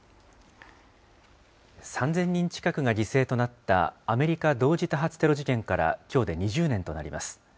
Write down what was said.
３０００人近くが犠牲となったアメリカ同時多発テロ事件からきょうで２０年となります。